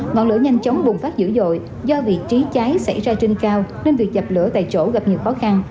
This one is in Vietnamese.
ngọn lửa nhanh chóng bùng phát dữ dội do vị trí cháy xảy ra trên cao nên việc dập lửa tại chỗ gặp nhiều khó khăn